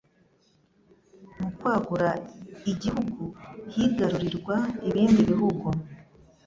mu kwagura igihugu higarurirwa ibindi bihugu